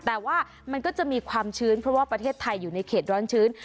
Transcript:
แต่ว่ามันก็จะมีความชื้นเพราะว่าประเทศไทยอยู่ในเขตร้อนชื้น